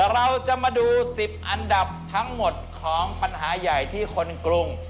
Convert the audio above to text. เราจะมาดู๑๐อันดับทั้งหมดของปัญหาใหญ่ที่คนกรุง